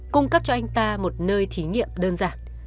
cung cấp cho anh ta một nơi thí nghiệm đơn giản